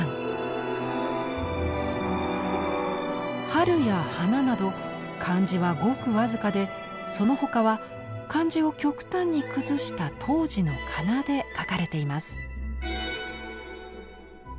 春や花など漢字はごく僅かでその他は漢字を極端に崩した当時の仮名で書かれています。